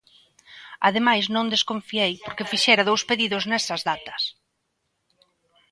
Ademais non desconfiei porque fixera dous pedidos nesas datas.